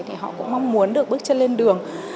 thì họ cũng mong muốn được bước chân lên đường